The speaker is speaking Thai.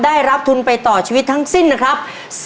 ได้รับทุนไปต่อชีวิตทั้งสิ้นนะครับ